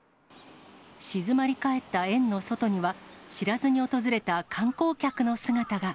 静まりかえった園の外には、知らずに訪れた観光客の姿が。